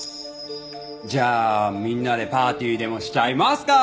じゃあみんなでパーティーでもしちゃいますか！